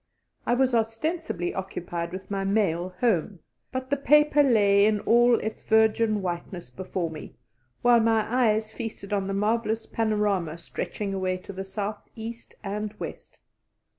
I was ostensibly occupied with my mail home, but the paper lay in all its virgin whiteness before me, while my eyes feasted on the marvellous panorama stretching away to the south, east, and west.